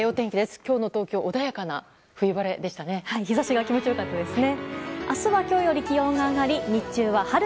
今日の東京穏やかな冬晴れでしたね。